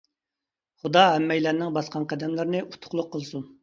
خۇدا ھەممەيلەننىڭ باسقان قەدەملىرىنى ئۇتۇقلۇق قىلسۇن!